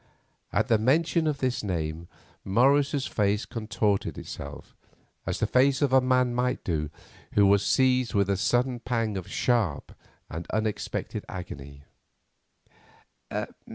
At the mention of this name Morris's face contorted itself, as the face of a man might do who was seized with a sudden pang of sharp and unexpected agony.